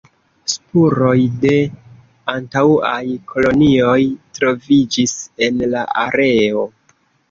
Spuroj de antaŭaj kolonioj troviĝis en la areo.